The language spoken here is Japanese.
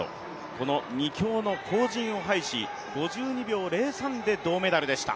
この２強の後塵を拝し、５２秒０３で銅メダルでした。